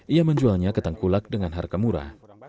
ia menjualnya ketangkulak dengan harga murah